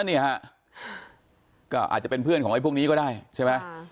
นี่ฮะก็อาจจะเป็นเพื่อนของไอ้พวกนี้ก็ได้ใช่ไหม